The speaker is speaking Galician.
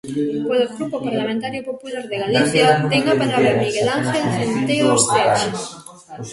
Polo Grupo Parlamentario Popular de Galicia, ten a palabra Miguel Ángel Centeo Seaxe.